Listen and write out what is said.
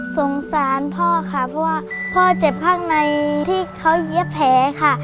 สงสารพ่อค่ะเพราะว่าพ่อเจ็บข้างในที่เขาเย็บแผลค่ะ